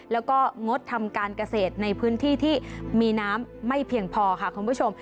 แล้วก็งดทำการเกษตรในพื้นที่ที่มีน้ำไม่เพียงพอค่ะคุณผู้ชม